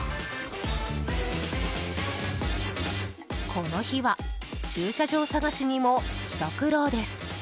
この日は、駐車場探しにもひと苦労です。